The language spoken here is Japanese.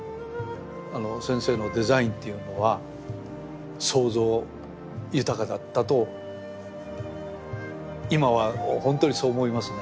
先生のデザインっていうのは想像豊かだったと今はほんとにそう思いますね。